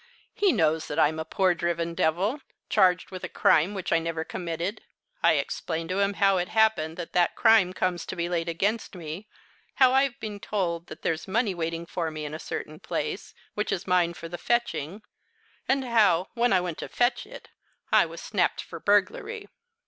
He knows that I am a poor driven devil, charged with a crime which I never committed. I explain to him how it happened that that crime comes to be laid against me, how I've been told that there's money waiting for me in a certain place, which is mine for the fetching, and how, when I went to fetch it, I was snapped for burglary.